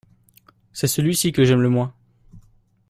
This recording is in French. C’est celui-ci que j’aime le moins.